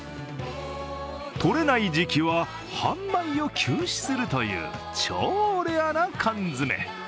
とれない時期は販売を休止するという超レアな缶詰。